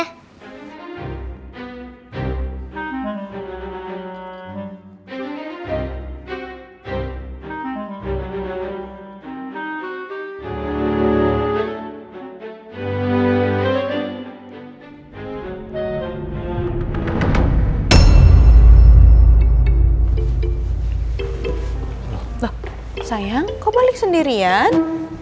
loh sayang kau balik sendirian